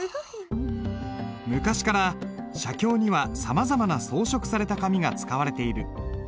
昔から写経にはさまざまな装飾された紙が使われている。